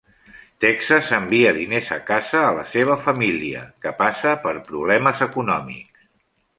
Texas envia diners a casa a la seva família, que passa per problemes econòmics.